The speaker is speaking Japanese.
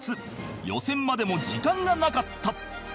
予選までも時間がなかった